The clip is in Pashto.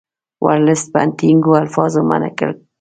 ورلسټ په ټینګو الفاظو منع کړ.